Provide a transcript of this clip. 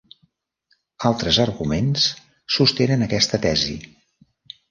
Altres arguments sostenen aquesta tesi.